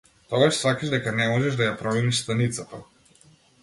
Тогаш сфаќаш дека не можеш да ја промениш станицата.